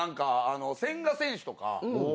千賀選手とか。